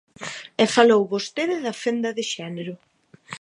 E falou vostede da fenda de xénero.